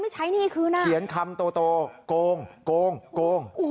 ภาษชายหนี่คือว่าเขียนคำโตกงกงกง